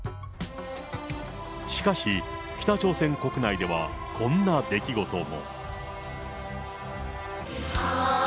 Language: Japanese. しかし、北朝鮮国内では、こんな出来事も。